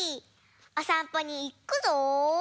おさんぽにいくぞ！